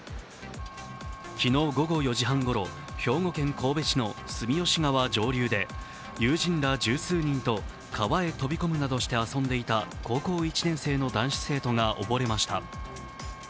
昨日午後４時半ごろ、兵庫県神戸市の住吉川上流で、友人ら十数人と川に飛び込むなどして遊んでいた高校１年生の男子生徒が溺れました。